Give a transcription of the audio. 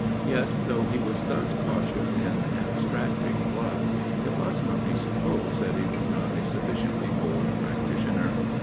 Yet, though he was thus cautious in abstracting blood, it must not be supposed that he was not a sufficiently bold practitioner.